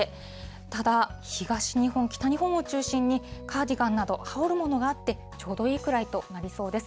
ただ東日本、北日本を中心に、カーディガンなど、羽織るものがあってちょうどいいくらいとなりそうです。